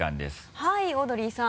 はいオードリーさん。